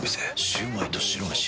シュウマイと白めし。